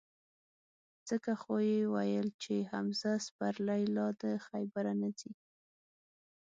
ځکه خو یې ویل چې: حمزه سپرلی لا د خیبره نه ځي.